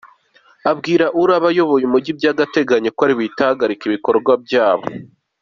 Ubwire uraba ayoboye umujyi by’agateganyo ko ahita ahagarika ibikorwa byabo.